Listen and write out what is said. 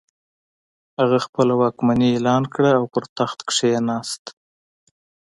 هغه خپله واکمني اعلان کړه او پر تخت کښېناست.